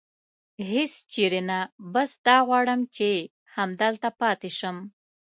هېڅ چېرې نه، بس دا غواړم چې همدلته پاتې شم.